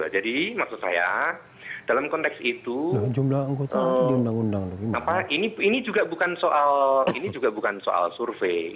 jadi maksud saya dalam konteks itu ini juga bukan soal survei